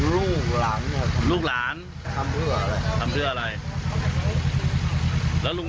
รู้จักกันหรือรู้จักป่ะ